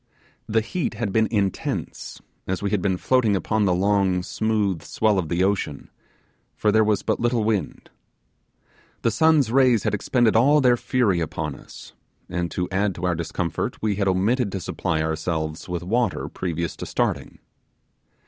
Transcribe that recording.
The heat had been intense, as we had been floating upon the long smooth swell of the ocean, for there was but little wind. The sun's rays had expended all their fury upon us; and to add to our discomfort, we had omitted to supply ourselves with water previous to starting.